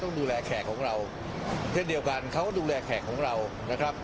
ประเทศนั้นต้องดูแลแขกของเราเท่าเดียวกันเขาดูแลแขกของเรานะครับ